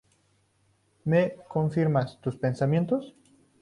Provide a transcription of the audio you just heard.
¿Me confirmas tus pensamientos?